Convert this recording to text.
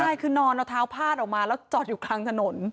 ใช่คือนอนเอาเท้าพาดออกมาแล้วจอดอยู่กลางถนน